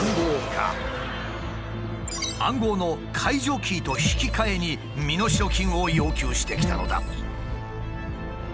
暗号の解除キーと引き換えに身代金を要求してきたのだ。